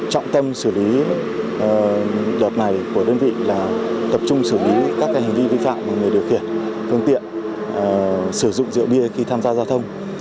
trọng tâm xử lý đợt này của đơn vị là tập trung xử lý các hành vi vi phạm của người điều khiển phương tiện sử dụng rượu bia khi tham gia giao thông